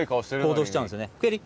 行動しちゃうんですね。